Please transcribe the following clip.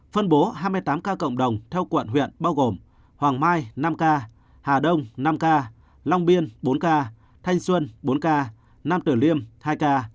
phân bố hai mươi tám ca cộng đồng theo quận huyện bao gồm hoàng mai năm ca hà đông năm ca long biên bốn ca thanh xuân bốn ca nam tử liêm hai ca